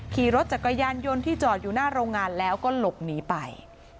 ขี่รถจักรยานยนต์ที่จอดอยู่หน้าโรงงานแล้วก็หลบหนีไป